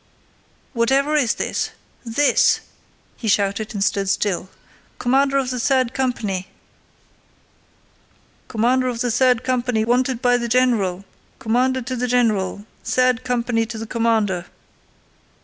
"Whatever is this? This!" he shouted and stood still. "Commander of the third company!" "Commander of the third company wanted by the general!... commander to the general... third company to the commander."